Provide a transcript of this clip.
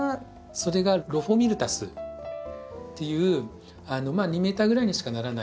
それがロフォミルタスっていうまあ２ｍぐらいにしかならない。